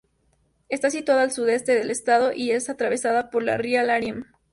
Está situada al sudeste del estado y es atravesada por el río Laramie.